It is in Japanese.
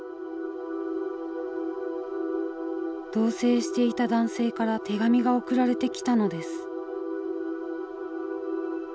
同棲していた男性から手紙が送られてきたのです。